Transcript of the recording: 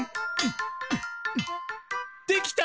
できた！